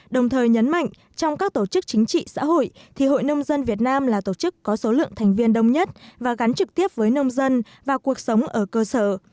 đồng thời nhấn mạnh trong các tổ chức chính trị xã hội thì hội nông dân việt nam là tổ chức có số lượng thành viên đông nhất và gắn trực tiếp với nông dân và cuộc sống ở cơ sở